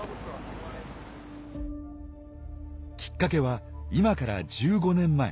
きっかけは今から１５年前。